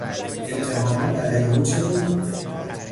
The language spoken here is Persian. اتهامات علیه او چه بود؟